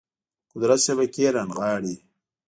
قدرت شبکې رانغاړي